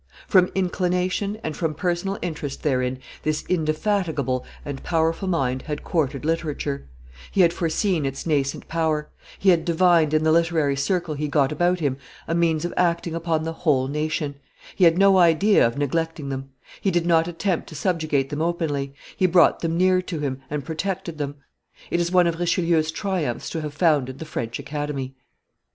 From inclination and from personal interest therein this indefatigable and powerful mind had courted literature; he had foreseen its nascent power; he had divined in the literary circle he got about him a means of acting upon the whole nation; he had no idea of neglecting them; he did not attempt to subjugate them openly; he brought them near to him and protected them. It is one of Richelieu's triumphs to have founded the French Academy.